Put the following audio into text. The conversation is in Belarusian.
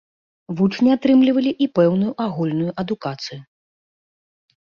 Вучні атрымлівалі і пэўную агульную адукацыю.